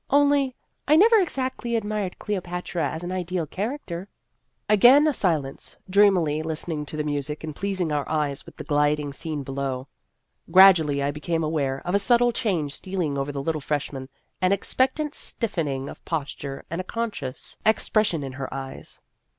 Only I never exactly ad mired Cleopatra as an ideal character." Again a silence, dreamily listening to the music and pleasing our eyes with the gliding scene below. Gradually I be came aware of a subtle change stealing over the little freshman an expectant stiffening of posture and a conscious ex pression in her eyes.